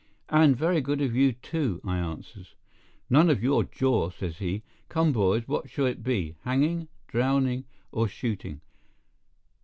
"And very good of you, too," I answers. "None of your jaw," says he. "Come, boys, what shall it be—hanging, drowning, or shooting?